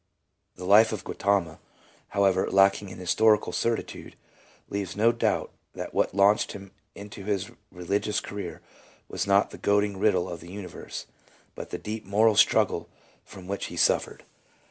The life of Gautama, however lacking in historical cer titude, leaves no doubt that what launched him into his re ligious career was not the goading riddle of the universe, but the deep moral struggle from which he suffered.